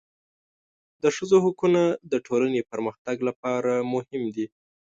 د ښځو حقونه د ټولنې پرمختګ لپاره مهم دي.